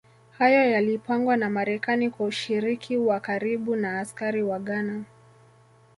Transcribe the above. Hayo yalipangwa na Marekani kwa ushiriki wa karibu na askari wa Ghana